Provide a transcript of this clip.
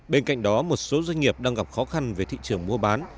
bên cạnh đó một số doanh nghiệp đang gặp khó khăn về thị trường mua bán